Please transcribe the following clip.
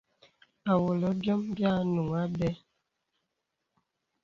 Awɔlə̀ bìom bì ànuŋ àbə̀.